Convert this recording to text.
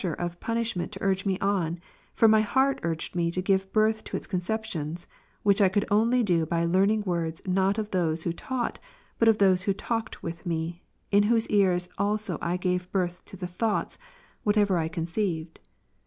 pressure of punishment to urge me on, for my heart urged me ^'^'— to give birth to its concei^tions, which I could only do by learning words not of those who taught, but of those who talked with me ; in whose ears also I gave birth to the thoughts, whatever I conceived.